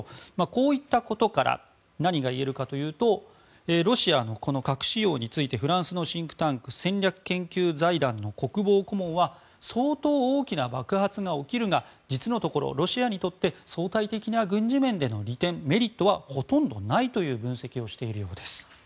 こういったことから何が言えるかというとロシアの核使用についてフランスのシンクタンク戦略研究財団の国防顧問は相当大きな爆発が起きるが実のところ、ロシアにとって相対的な軍事面での利点メリットはほとんどないという分析をしているそうです。